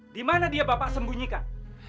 dimana dia bapak sembunyikan